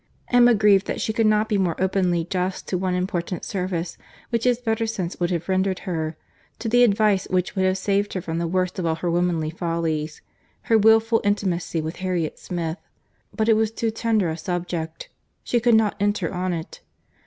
Emma grieved that she could not be more openly just to one important service which his better sense would have rendered her, to the advice which would have saved her from the worst of all her womanly follies—her wilful intimacy with Harriet Smith; but it was too tender a subject.—She could not enter on it.